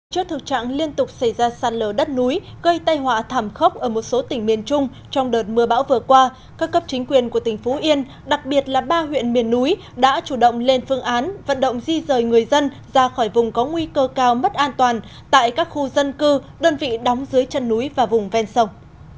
trước thực trạng liên tục xảy ra sạt lở đất núi gây tay họa thảm khốc ở một số tỉnh miền trung trong đợt mưa bão vừa qua các cấp chính quyền của tỉnh phú yên đặc biệt là ba huyện miền núi đã chủ động lên phương án vận động di rời người dân ra khỏi vùng có nguy cơ cao mất an toàn tại các khu dân cư đơn vị đóng dưới chân núi và vùng ven sông